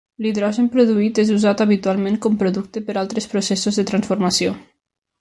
L'hidrogen produït és usat habitualment com producte per altres processos de transformació.